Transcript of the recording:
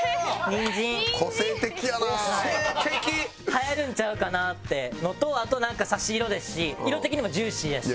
はやるんちゃうかなっていうのとあとなんか差し色ですし色的にも「ジューシー」やし。